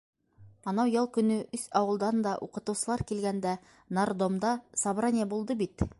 Анау ял көнө өс ауылдан да уҡытыусылар килгәндә нардомда собрание булды бит.